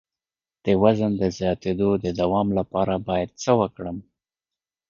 د وزن د زیاتیدو د دوام لپاره باید څه وکړم؟